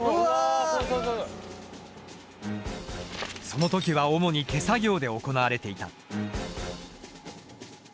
その時は主に手作業で行われていた。